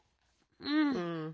うん。